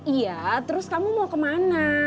iya terus kamu mau kemana